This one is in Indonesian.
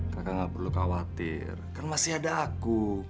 kakak gak perlu khawatir kan masih ada aku